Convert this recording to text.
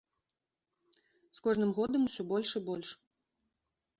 З кожным годам усё больш і больш.